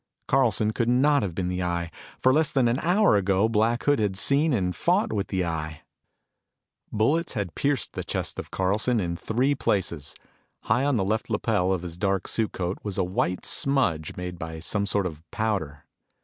Carlson could not have been the Eye, for less than an hour ago, Black Hood had seen and fought with the Eye! Bullets had pierced the chest of Carlson in three places. High on the left lapel of his dark suit coat was a white smudge made by some sort of powder.